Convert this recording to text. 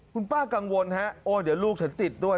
คุณป้ากังวลฮะโอ้เดี๋ยวลูกฉันติดด้วย